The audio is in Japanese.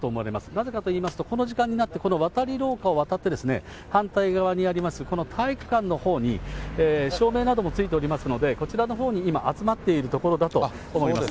なぜかといいますと、この時間になって、この渡り廊下を渡って、反対側にあります、この体育館のほうに、照明などもついておりますので、こちらのほうに今、集まっているところだと思います。